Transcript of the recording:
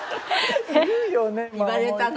言われたの？